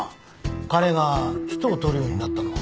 彼が人を撮るようになったのは。